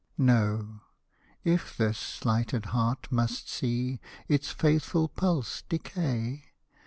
No ; if this slighted heart must see Its faithful pulse decay.